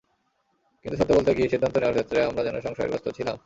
কিন্তু সত্যি বলতে কি, সিদ্ধান্ত নেওয়ার ক্ষেত্রে আমরা যেন সংশয়গ্রস্ত ছিলাম।